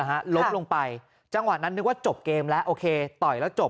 ล้มลงไปจังหวะนั้นนึกว่าจบเกมแล้วโอเคต่อยแล้วจบ